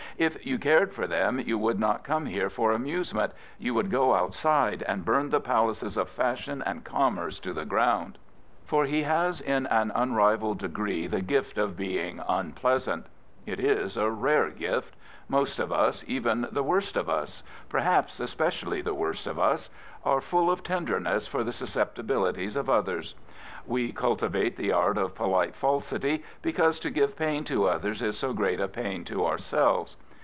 If you cared for them you would not come here for amusement. You would go outside and bum the palaces of fashion and conunerce to the ground.'* 1^01 he has in an unrivalled degree the gift of being unpl^ja^ant. it is a rare gift. Most oFus^even the worst of us — ^perhaps, especially the worst of us — are full of tenderness for the susceptibilities of others. We cultivate the art of polite faj^ty, because to give pain to others is so great a pain to ourselves.